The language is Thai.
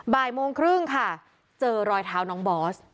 บ่ายโมงครึ่งค่ะเจอรอยเท้าน้องบอส